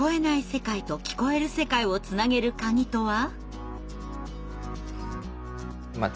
世界と聞こえる世界をつなげるカギとは？